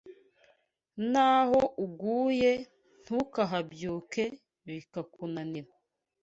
N’aho uguye ntuhabyuke bikakunanira